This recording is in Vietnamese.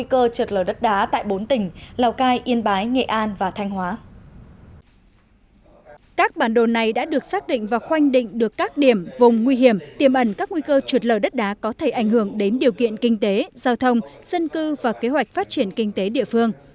các bản đồ này đã được xác định và khoanh định được các điểm vùng nguy hiểm tiềm ẩn các nguy cơ trượt lở đất đá có thể ảnh hưởng đến điều kiện kinh tế giao thông dân cư và kế hoạch phát triển kinh tế địa phương